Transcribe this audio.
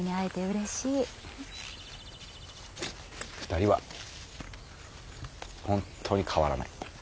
２人は本当に変わらない。